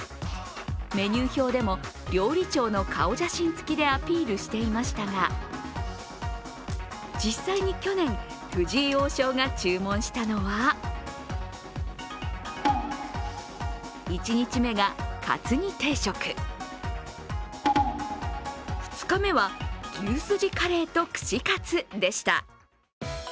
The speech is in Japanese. メニュー表でも料理長の顔写真付きでアピールしていましたが実際に去年、藤井王将が注文したのは１日目がカツ煮定食２日目は牛すじカレーと串カツでした。